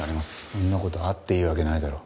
そんな事あっていいわけないだろ。